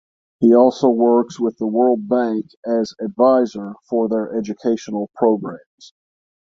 He also works with the World Bank as Advisor for their educational programs.